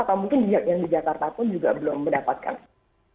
atau mungkin yang di jakarta pun juga belum mendapatkan